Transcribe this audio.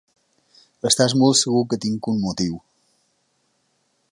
Estàs molt segur que tinc un motiu.